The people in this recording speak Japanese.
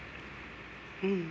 うん。